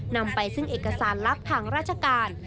นำไปซึ่งเอกสารลับทางราชการ